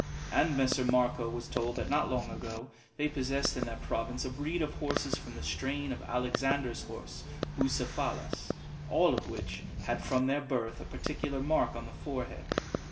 And Messer Marco was told that not long ago they possessed in that province a breed of horses from the strain of Alexander's horse Bucephalus, all of which had from their birth a particular mark on the forehead.